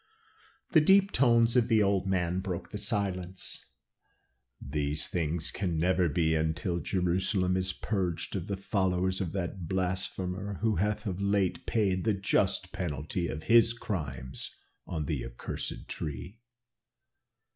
The deep tones of the old man broke the silence. "These things can never be until Jerusalem is purged of the followers of that blasphemer, who hath of late paid the just penalty of his crimes on the accursed tree.